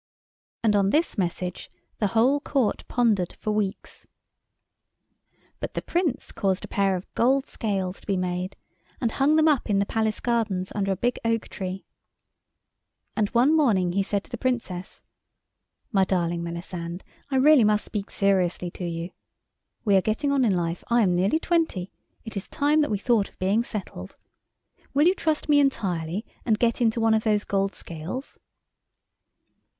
And on this message the whole Court pondered for weeks. But the Prince caused a pair of gold scales to be made, and hung them up in the palace gardens under a big oak tree. And one morning he said to the Princess— "My darling Melisande, I must really speak seriously to you. We are getting on in life. I am nearly twenty: it is time that we thought of being settled. Will you trust me entirely and get into one of those gold scales?"